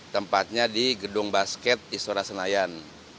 tempatnya di gedung basket istora senayan